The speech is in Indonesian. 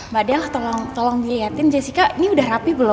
mbak del tolong dilihatin jessica ini udah rapi belum